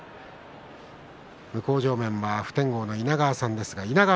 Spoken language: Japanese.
向正面は普天王の稲川さんです。